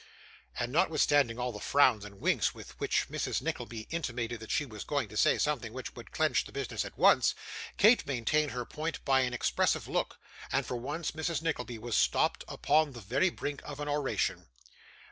And notwithstanding all the frowns and winks with which Mrs. Nickleby intimated that she was going to say something which would clench the business at once, Kate maintained her point by an expressive look, and for once Mrs. Nickleby was stopped upon the very brink of an oration.